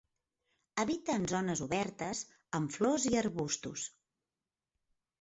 Habita en zones obertes, amb flors i arbustos.